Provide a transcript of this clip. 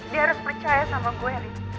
dia harus percaya sama gue nih